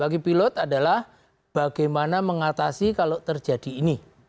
bagi pilot adalah bagaimana mengatasi kalau terjadi ini